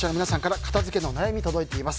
視聴者の皆さんから片付けの悩み届いています。